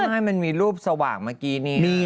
ใช่มันมีรูปสว่างเมื่อกี้นี้